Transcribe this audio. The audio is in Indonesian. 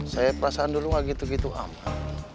saya perasaan dulu gak gitu gitu amat